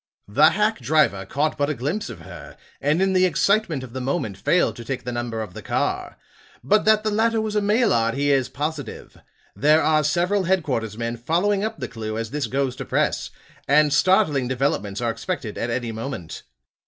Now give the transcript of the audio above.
"The hack driver caught but a glimpse of her, and in the excitement of the moment failed to take the number of the car. But that the latter was a Maillard he is positive. There are several headquarter's men following up the clew as this goes to press; and startling developments are expected at any moment.